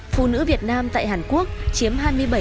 phụ nữ việt nam tại hàn quốc chiếm hai mươi bảy